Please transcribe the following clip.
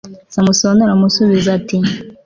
samusoni aramusubiza ati